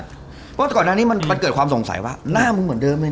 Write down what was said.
เพราะก่อนหน้านี้มันเกิดความสงสัยว่าหน้ามึงเหมือนเดิมเลย